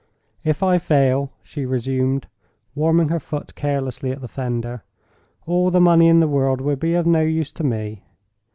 "If I fail," she resumed, warming her foot carelessly at the fender, "all the money in the world will be of no use to me.